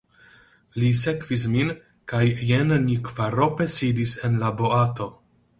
Li sekvis min kaj jen ni kvarope sidis en la boato.